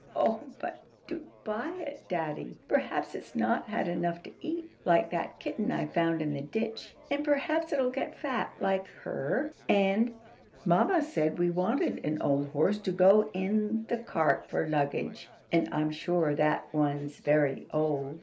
"Oh, but do buy it, daddy! Perhaps it's not had enough to eat, like that kitten I found in the ditch. And perhaps it'll get fat, like her; and mamma said we wanted an old horse to go in the cart for luggage, and I'm sure that one's very old.